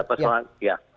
jadi juga persoalan ya